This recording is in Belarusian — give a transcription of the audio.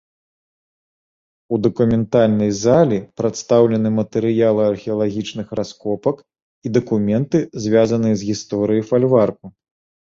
У дакументальнай залі прадстаўлены матэрыялы археалагічных раскопак і дакументы, звязаныя з гісторыяй фальварку.